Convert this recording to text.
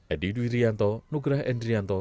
edi duirianto nugra endi nusantara